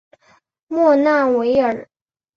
莫纳维尔。